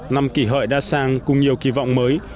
năm kỷ hợi đa sang cùng nhiều kỳ vọng mới